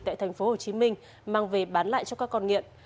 tại tp hcm mang về bán lại cho các con nghiện